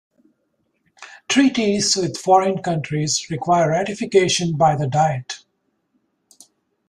Treaties with foreign countries require ratification by the Diet.